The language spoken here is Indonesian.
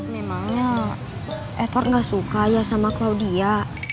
memangnya edward nggak suka ya sama claudia